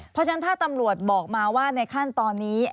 เพราะฉะนั้นถ้าตำรวจบอกมาว่าในขั้นตอนนี้